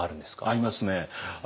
ありますね。